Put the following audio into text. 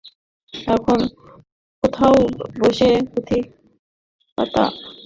এখন কোথাও বসে পুঁথিপাটা নিয়ে কালক্ষেপ করাই যেন উদ্দেশ্য।